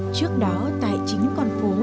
trước đó tại chính con phố